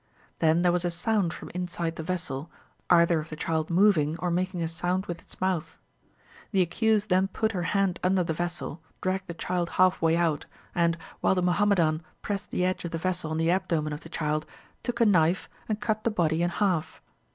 Then there was a sound from inside the vessel, either of the child moving, or making a sound with its mouth. The accused then put her hand under the vessel, dragged the child half way out, and, while the Muhammadan pressed the edge of the vessel on the abdomen of the child, took a knife, and cut the body in half.